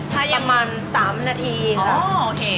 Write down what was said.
ประมาณสามนาทีค่ะอ๋อโอเค